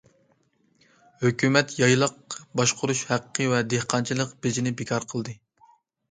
ھۆكۈمەت يايلاق باشقۇرۇش ھەققى ۋە دېھقانچىلىق بېجىنى بىكار قىلدى.